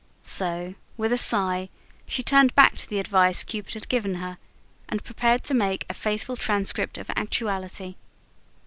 So, with a sigh, she turned back to the advice Cupid had given her, and prepared to make a faithful transcript of actuality.